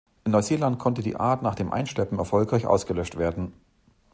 In Neuseeland konnte die Art nach dem Einschleppen erfolgreich ausgelöscht werden.